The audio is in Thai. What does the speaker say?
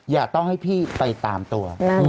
อย่าต้องให้พี่ไปตามตัว